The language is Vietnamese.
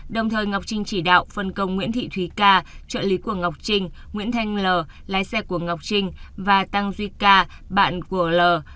đồng thời ngọc trinh chỉ đạo phân công nguyễn thị thúy ca trợ lý của ngọc trinh nguyễn thanh l lái xe của ngọc trinh và tăng duy ca bạn của l